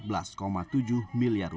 jadi mereka menyangkutkan pajak miliar